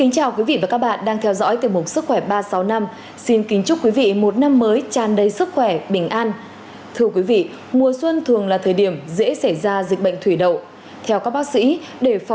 các bạn hãy đăng ký kênh để ủng hộ kênh của chúng mình nhé